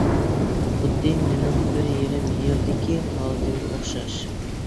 خۇددى مېنىڭ بىر يېرىم يىلدىكى ھالىتىمگە ئوخشاش.